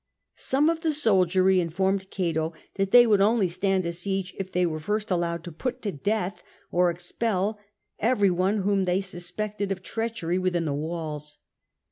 Some of the soldiery informed Cato that they would only stand a siege if they were first allowed to put to death or expel every one whom they suspected of treachery within the walls.